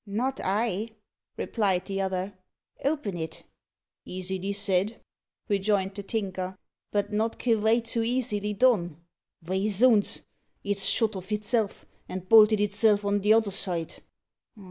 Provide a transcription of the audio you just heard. "Not I," replied the other; "open it." "Easily said," rejoined the Tinker, "but not quevite so easily done. Vy, zounds, it's shut of itself and bolted itself on t'other side!"